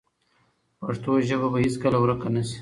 پښتو ژبه به هیڅکله ورکه نه شي.